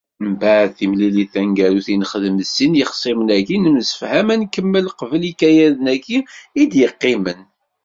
Mbeɛd timilit taneggarut i nexdem d sin yixsimen-agi, nemsefham ad nkemmel qbel ikayaden-agi i d-yeqqimen.